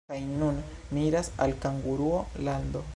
Kaj nun ni iras al Kanguruo-lando.